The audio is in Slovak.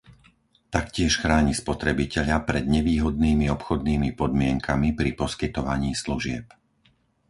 Taktiež chráni spotrebiteľa pred nevýhodnými obchodnými podmienkami pri poskytovaní služieb.